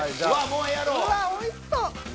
うわっおいしそう！